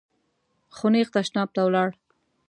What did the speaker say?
خو نېغ تشناب ته ولاړ .